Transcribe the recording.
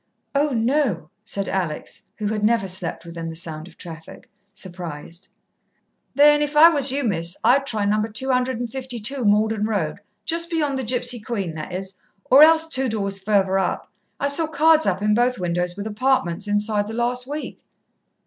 "Oh, no," said Alex who had never slept within the sound of traffic surprised. "Then if I was you, Miss, I'd try No. 252 Malden Road just beyond the Gipsy Queen, that is, or else two doors further up. I saw cards up in both windows with 'apartments' inside the last week."